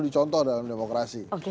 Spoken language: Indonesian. dicontoh dalam demokrasi